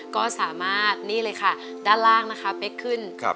ก็สามารถนี่เลยค่ะด้านล่างนะคะเป๊กขึ้น